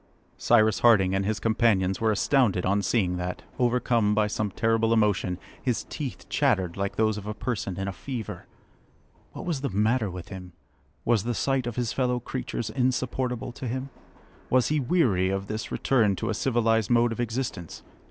Cyrus Harding and his companions were astounded on seeing that, overcome by some terrible emotion, his teeth chattered like those of a person in a fever. What was the matter with him? Was the sight of his fellow creatures insupportable to him? Was he weary of this return to a civilised mode of existence?